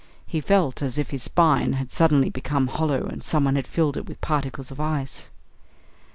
He felt as if his spine had suddenly become hollow and someone had filled it with particles of ice.